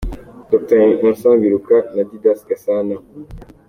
Ariko aba Republike bo ku ruhande rwa Trump bazogumana ubwinshi mu nama nkenguzamateka.